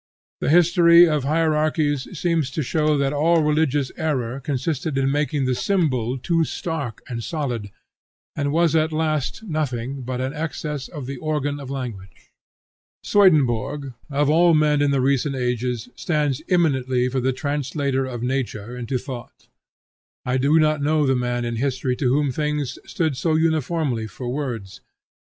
The history of hierarchies seems to show that all religious error consisted in making the symbol too stark and solid, and was at last nothing but an excess of the organ of language. Swedenborg, of all men in the recent ages, stands eminently for the translator of nature into thought. I do not know the man in history to whom things stood so uniformly for words.